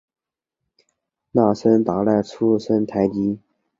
那森达赖出身台吉。